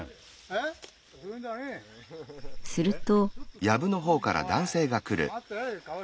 すると。